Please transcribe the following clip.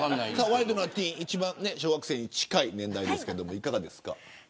ワイドナティーン一番小学生に近い年代ですがいかがですか。